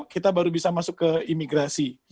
kita baru bisa masuk ke imigrasi